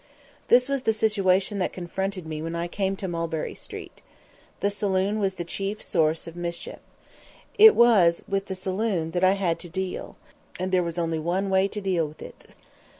This was the situation that confronted me when I came to Mulberry Street. The saloon was the chief source of mischief. It was with the saloon that I had to deal, and there was only one way to deal with it.